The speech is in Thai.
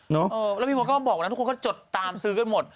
นึกอ่ะแล้วพี่มดก็บอกว่าทุกคนก็จดตามซื้อกันหมด